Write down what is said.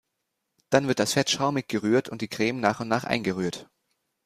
Dann wird das Fett schaumig gerührt und die Creme nach und nach eingerührt.